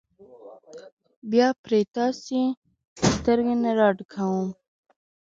بیا پرې تاسې سترګې نه راډکوم.